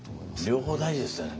両方大事ですよね。